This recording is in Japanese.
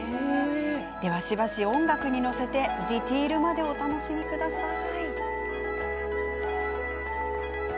しばし、音楽に乗せてディテールまでお楽しみください。